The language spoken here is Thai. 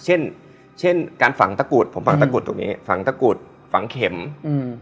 เช่นเช่นการฝังตะกรุดผมฝังตะกรุดตรงนี้ฝังตะกรุดฝังเข็มอืม